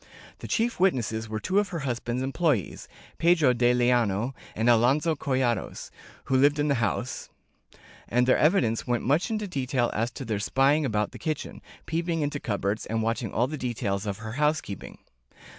The chief witnesses were two of her husband's employees, Pedro de Liano and Alonso Collados, who lived in the house, and their evidence went much into detail as to their spying about the kitchen, peeping into cupboards, and watching all the details of her housekeeping.